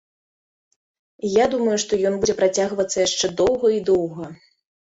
Я думаю, што ён будзе працягвацца яшчэ доўга і доўга.